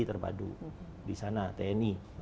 terpadu disana tni